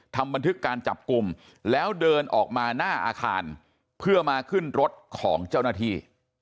ทำบันทึกการจับกลุ่มแล้วเดินออกมาหน้าอาคารเพื่อมาขึ้นรถของเจ้าหน้าที่